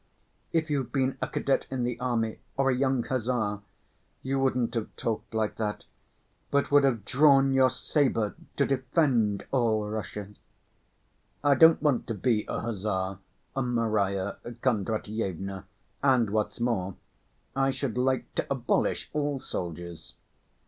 "If you'd been a cadet in the army, or a young hussar, you wouldn't have talked like that, but would have drawn your saber to defend all Russia." "I don't want to be a hussar, Marya Kondratyevna, and, what's more, I should like to abolish all soldiers."